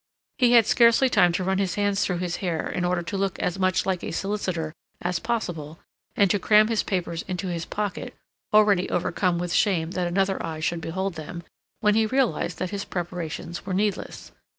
He had scarcely time to run his hands through his hair in order to look as much like a solicitor as possible, and to cram his papers into his pocket, already overcome with shame that another eye should behold them, when he realized that his preparations were needless.